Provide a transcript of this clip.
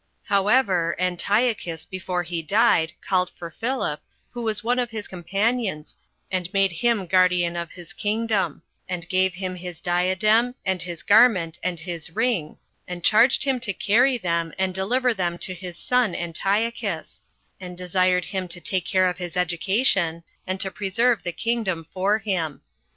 2. However, Antiochus, before he died, called for Philip, who was one of his companions, and made him the guardian of his kingdom; and gave him his diadem, and his garment, and his ring, and charged him to carry them, and deliver them to his son Antiochus; and desired him to take care of his education, and to preserve the kingdom for him.